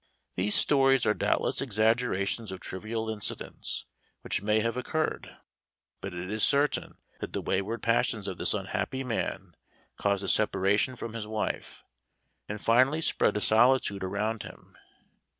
These stories are doubtless exaggerations of trivial incidents which may have occurred; but it is certain that the wayward passions of this unhappy man caused a separation from his wife, and finally spread a solitude around him.